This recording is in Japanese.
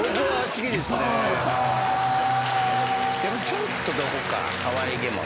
ちょっとどこかかわいげもね。